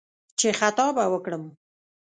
چې «خطا به وکړم»